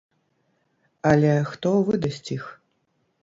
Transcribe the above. Але хто выдасць іх?